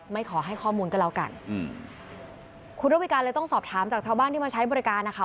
ไม่ขอให้ข้อมูลก็แล้วกันอืมคุณระวิการเลยต้องสอบถามจากชาวบ้านที่มาใช้บริการนะคะ